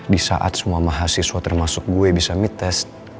di saat semua mahasiswa termasuk gue bisa mid test